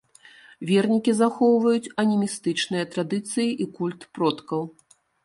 Вернікі захоўваюць анімістычныя традыцыі і культ продкаў.